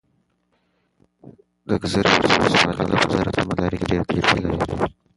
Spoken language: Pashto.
د ګذرې ولسوالۍ خلک په زراعت او مالدارۍ کې ډېره تجربه لري.